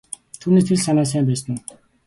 Түүний сэтгэл санаа сайн байсан уу?